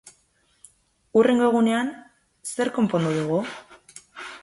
Hurrengo egunean, zer konpondu dugu?